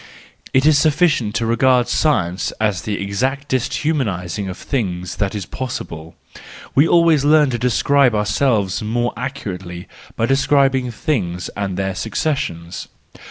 It is sufficient to regard science as the exactest humanising of things that is possible; we always learn to describe ourselves more accurately by describing things and their successions.